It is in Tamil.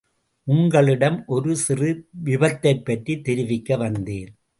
உங்களிடம் ஒரு சிறு விபத்தைப்பற்றித் தெரிவிக்க வத்தேன்.